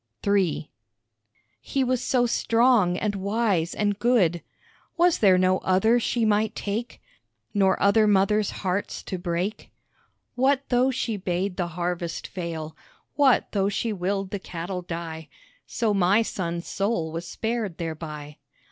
III He was so strong and wise and good Was there no other she might take, Nor other mothers' hearts to break? What though she bade the harvest fail, What though she willed the cattle die, So my son's soul was spared thereby.